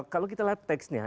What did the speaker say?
kalau kita lihat teksnya